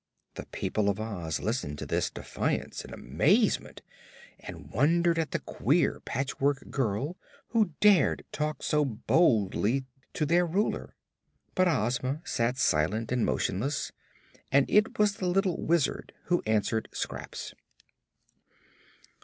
The people of Oz listened to this defiance in amazement and wondered at the queer Patchwork Girl who dared talk so boldly to their Ruler. But Ozma sat silent and motionless and it was the little Wizard who answered Scraps.